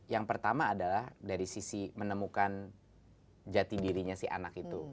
yang pertama adalah dari sisi menemukan jati dirinya si anak itu